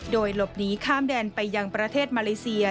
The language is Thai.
โดยหลบหนีข้ามแดนไปยังประเทศมาเลเซีย